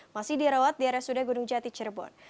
masih dirawat di rsud gunung jati cirebon